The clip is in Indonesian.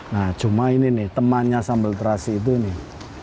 nah cuma ini nih temannya sambal terasi itu nih